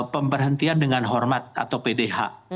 pemberhentian dengan hormat atau pdh